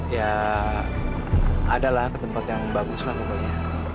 ya ada lah ke tempat yang bagus lah pokoknya